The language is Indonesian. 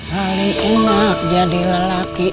lalu umat jadilah laki